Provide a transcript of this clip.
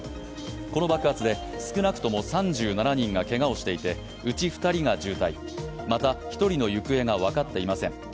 この爆発で少なくとも３７人がけがをしていて、うち２人が重体また、１人の行方が分かっていません。